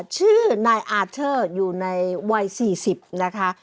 ชื่อนายอาเทอร์อยู่ในวัย๔๐นะคะ